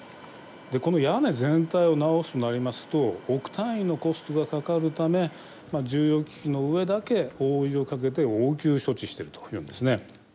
この屋根全体を直すとなりますと億単位のコストがかかるため重要機器の上だけ覆いをかけて応急処置してるというんですね。